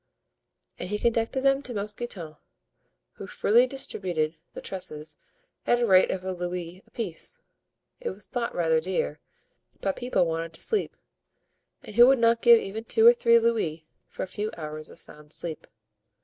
And he conducted them to Mousqueton, who freely distributed the trusses at the rate of a louis apiece. It was thought rather dear, but people wanted to sleep, and who would not give even two or three louis for a few hours of sound sleep?